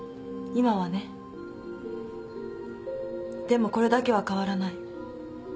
でもこれだけは変わらない。